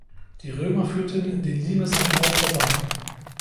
Die Römer führten den Limes am Ort vorbei.